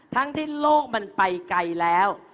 ทั้งที่โลกมันไปไกลแล้ว